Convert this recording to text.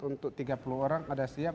untuk tiga puluh orang ada siap